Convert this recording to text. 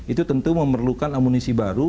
itu tentu memerlukan amunisi baru